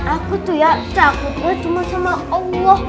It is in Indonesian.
aku tuh ya takut mah cuman sama allah